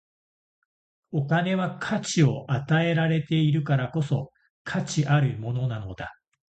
お金は価値を与えられているからこそ、価値あるものなのだ。